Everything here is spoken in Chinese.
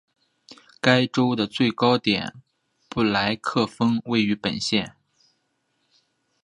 该州的最高点布莱克峰位于本县。